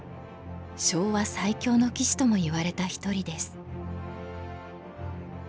昭和最強の棋士ともいわれた一人です。